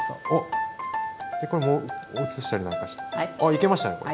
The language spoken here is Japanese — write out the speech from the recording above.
いけましたねこれ。